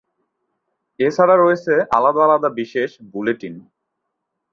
এছাড়া রয়েছে আলাদা আলাদা বিশেষ বুলেটিন।